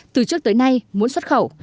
từ trước tới nay muốn xuất khẩu